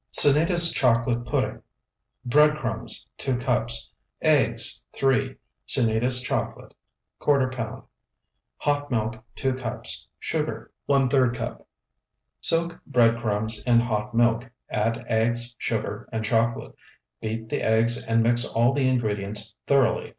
SANITAS CHOCOLATE PUDDING Bread crumbs, 2 cups. Eggs, 3. Sanitas chocolate, ¼ pound. Hot milk, 2 cups. Sugar, ⅓ cup. Soak bread crumbs in hot milk, add eggs, sugar, and chocolate. Beat the eggs and mix all the ingredients thoroughly.